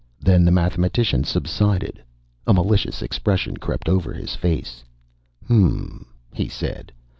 Then the mathematician subsided, a malicious expression crept over his face. "H m m," he said.